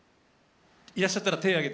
いらっしゃったら手挙げて。